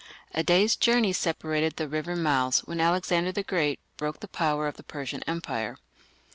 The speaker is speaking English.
A day's journey separated the river mouths when Alexander the Great broke the power of the Persian Empire.